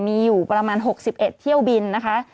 มีอยู่ประมาณ๖๑เที่ยวบินนะคะ